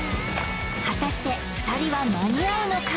果たして２人は間に合うのか？